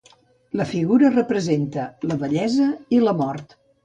La figura representa la vellesa i la mort.